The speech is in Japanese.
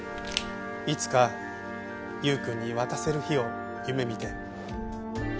いつか優くんに渡せる日を夢見て。